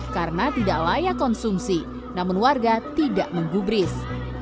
karena tidak layak konsumsi namun warga tidak menggubris